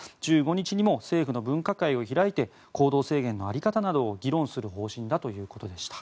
１５日にも政府の分科会を開いて行動制限の在り方などを議論する方針だということです。